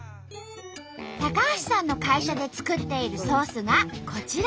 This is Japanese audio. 橋さんの会社で作っているソースがこちら。